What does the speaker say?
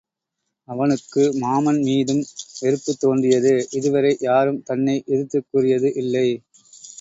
அவனுக்கு மாமன் மீதும் வெறுப்புத் தோன்றியது இதுவரை யாரும் தன்னை எதிர்த்துக் கூறியது இல்லை.